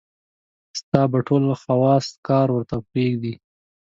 ستا به ټول حواص کار ورته پرېږدي.